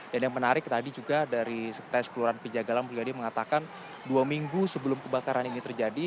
dan yang menarik tadi juga dari sekretaris kelurahan penjagaan mulia di mengatakan dua minggu sebelum kebakaran ini terjadi